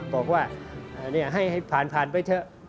บอกว่าให้ผ่านไปเถอะ